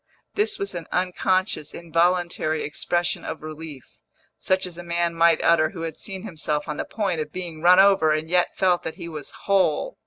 This was an unconscious, involuntary expression of relief, such as a man might utter who had seen himself on the point of being run over and yet felt that he was whole.